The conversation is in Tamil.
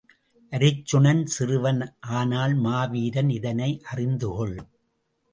அருச்சுனன் சிறுவன் ஆனால் மாவீரன் இதனை அறிந்துகொள்.